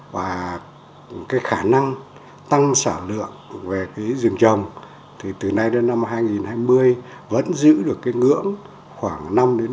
và cái khả năng tăng sản lượng về cái rừng trồng thì từ nay đến năm hai nghìn hai mươi vẫn giữ được cái ngưỡng khoảng năm mươi